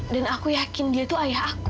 dan aku yakin dia tuh ayah aku